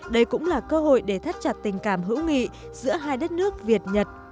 đây cũng là cơ hội để thắt chặt tình cảm hữu nghị giữa hai đất nước việt nhật